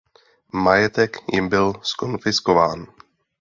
Majetek jim byl zkonfiskován.